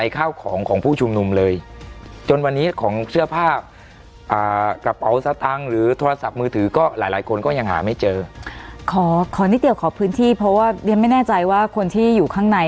ขอพื้นที่เพราะว่าเรียกไม่แน่ใจว่าคนที่อยู่ข้างใน